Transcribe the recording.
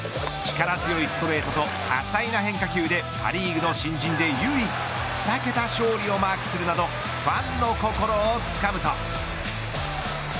力強いストレートと多彩な変化球でパ・リーグの新人で唯一２桁勝利をマークするなどファンの心をつかむと。